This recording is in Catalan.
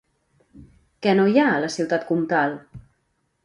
Què no hi ha a la ciutat comtal?